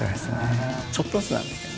ちょっとずつなんですけどね。